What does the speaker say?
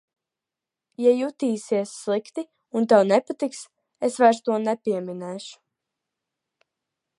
Ja jutīsies slikti un tev nepatiks, es vairs to nepieminēšu.